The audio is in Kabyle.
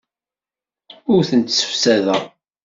Ur tent-ssefsadeɣ.